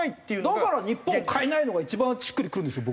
だから「日本を変えない！」のが一番しっくりくるんですよ